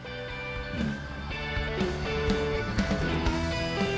うん。